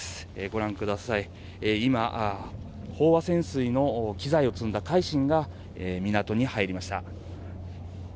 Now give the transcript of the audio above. ご覧ください、今、飽和潜水の機材を積んだ「海進」が港に入りました。